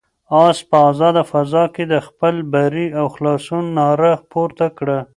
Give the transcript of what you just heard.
آس په آزاده فضا کې د خپل بري او خلاصون ناره پورته کړه.